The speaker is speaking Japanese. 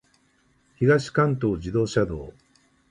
東関東自動車道